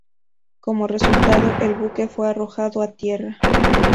Como resultado, el buque fue arrojado a tierra.